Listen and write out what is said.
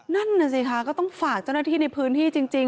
นั่นน่ะสิคะก็ต้องฝากเจ้าหน้าที่ในพื้นที่จริง